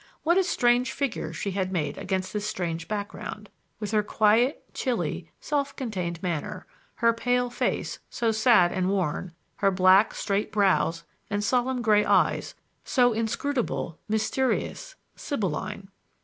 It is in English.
What a strange figure she had made against this strange background, with her quiet, chilly, self contained manner, her pale face, so sad and worn, her black, straight brows and solemn gray eyes, so inscrutable, mysterious, Sibylline.